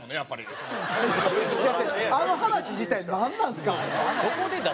あの話自体なんなんですか？